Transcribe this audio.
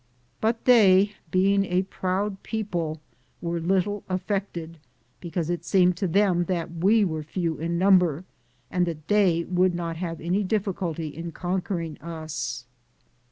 But they, being a proud people, were little affected, because it seemed to them that we were few in number, and that they would not have any difficulty in conquering us.